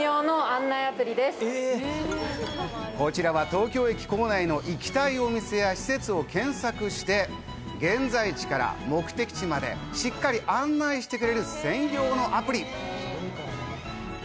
こちらは東京駅構内の行きたいお店や施設を検索して現在地から目的地までしっかり案内してくれる専用のアプリ。